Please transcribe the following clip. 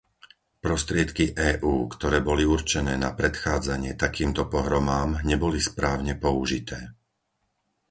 Prostriedky EÚ, ktoré boli určené na predchádzanie takýmto pohromám, neboli správne použité.